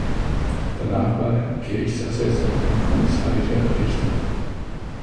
Danach war er Gerichtsassessor und kommissarischer Richter.